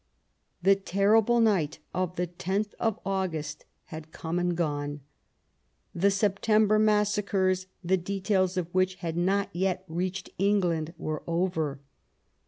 The terrible night of the 10th of August had come and gone. The September massacres, the details of which had not yet reached England, were over.